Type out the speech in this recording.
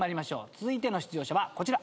続いての出場者はこちら。